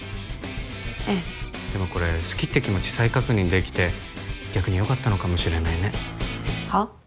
ええでもこれ好きって気持ち再確認できて逆によかったのかもしれないねはっ？